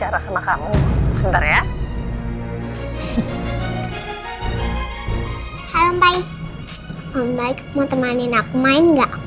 aku mau main sepeda lagi